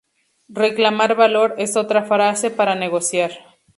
Reclamar valor es otra frase para negociar.